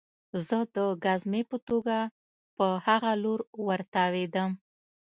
زه د ګزمې په توګه په هغه لور ورتاوېدم